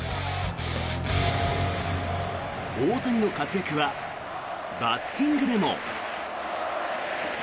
大谷の活躍はバッティングでも。